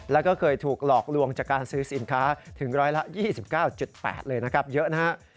แล้วก็เคยถูกหลอกลวงจากการซื้อสินค้าถึงร้อยละ๒๙๘เลยนะครับเยอะนะฮะ